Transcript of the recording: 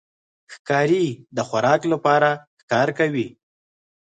ښکاري د خوراک لپاره ښکار کوي.